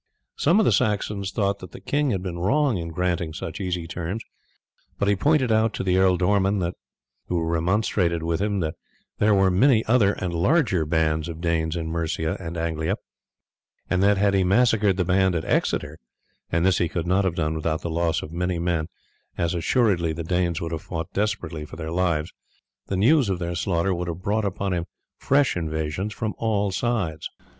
Some of the Saxons thought that the king had been wrong in granting such easy terms, but he pointed out to the ealdormen who remonstrated with him that there were many other and larger bands of Danes in Mercia and Anglia, and that had he massacred the band at Exeter and this he could not have done without the loss of many men, as assuredly the Danes would have fought desperately for their lives the news of their slaughter would have brought upon him fresh invasions from all sides.